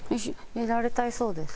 やられたいそうです。